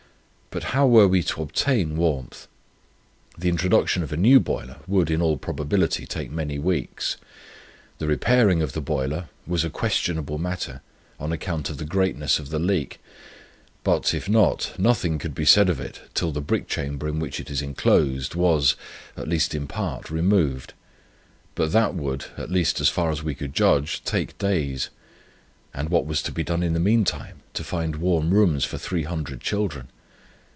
But how were we to obtain warmth? The introduction of a new boiler would, in all probability, take many weeks. The repairing of the boiler was a questionable matter, on account of the greatness of the leak; but, if not, nothing could be said of it, till the brick chamber in which it is enclosed, was, at least in part, removed; but that would, at least, as far as we could judge, take days; and what was to be done in the meantime, to find warm rooms for 300 children?